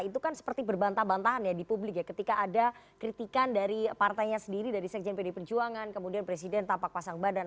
itu kan seperti berbantah bantahan ya di publik ya ketika ada kritikan dari partainya sendiri dari sekjen pd perjuangan kemudian presiden tampak pasang badan